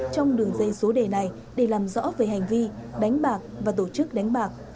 trong đường dây số đề này để làm rõ về hành vi đánh bạc và tổ chức đánh bạc